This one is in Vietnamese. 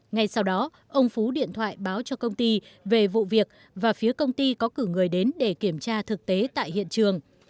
ngay sau đó ông phú điện thoại báo cho công ty về vụ việc và phía công ty có cử người đến để kiểm tra thực tế tại hiện trường